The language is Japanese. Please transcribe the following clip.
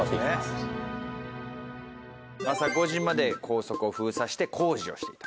朝５時まで高速を封鎖して工事をしていた。